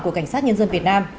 của cảnh sát nhân dân việt nam